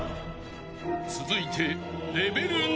［続いて］